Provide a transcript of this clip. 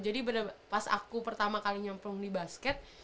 jadi pas aku pertama kali nyemplung di basket